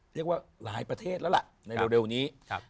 เรียกว่าหลายประเทศแล้วล่ะในเร็วนี้